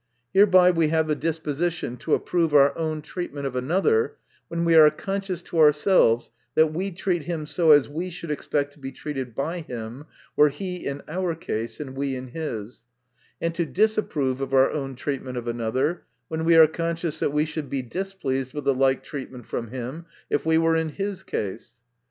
Hereby we have a disposition to ap prove our own treatment of another, when we are conscious to ourselves that we treat him so as we should expect to be treated by him, were he in our case and we in his ; and to disapprove of our own treatment of another, when we are conscious that we should be displeased, with the like treatment from him, if we were in his case.